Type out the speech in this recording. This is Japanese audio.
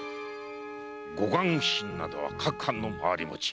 護岸普請は各藩の回り持ち。